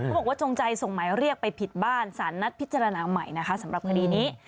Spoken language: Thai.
บอกว่าจงใจส่งหมายเรียกไปผิดบ้านสารนัดพิจารณาใหม่นะคะสำหรับคดีนี้